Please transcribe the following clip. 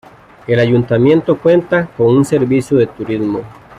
El Ayuntamiento cuenta con un Servicio de Turismo.